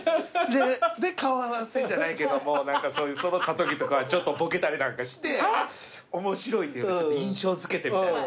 で顔合わせじゃないけども揃ったときとかはちょっとボケたりなんかして面白いっていうかちょっと印象付けてみたいな。